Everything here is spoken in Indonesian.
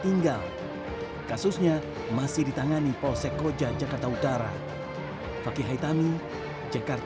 tinggal kasusnya masih ditangani polsek koja jakarta utara fakih haitami jakarta